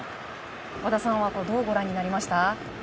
和田さんはどうご覧になりました？